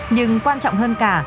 nhưng quan trọng hơn cả